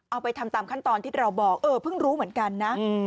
เอาไปทำตามขั้นตอนที่เราบอกเออเพิ่งรู้เหมือนกันนะ